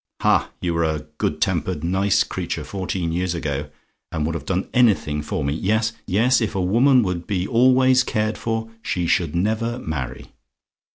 "Ha! you were a good tempered, nice creature fourteen years ago, and would have done anything for me. Yes, yes, if a woman would be always cared for, she should never marry.